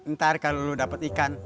ntar kalo lu dapet ikan